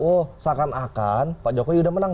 oh seakan akan pak jokowi udah menang